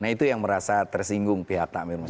nah itu yang merasa tersinggung pihak takmir masjid